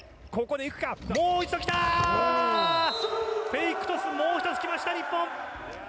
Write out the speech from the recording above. フェイクトスもう１つきました、日本！